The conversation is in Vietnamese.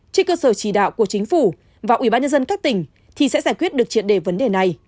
trên cơ sở chỉ đạo của chính phủ và ubnd các tỉnh thì sẽ giải quyết được triệt đề vấn đề này